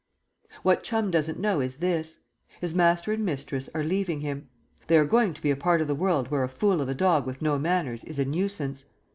What Chum doesn't know is this: his master and mistress are leaving him. They are going to a part of the world where a fool of a dog with no manners is a nuisance.